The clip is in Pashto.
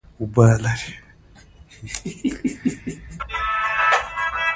پکتیکا د افغانستان په هره برخه کې په اسانۍ موندل کېږي.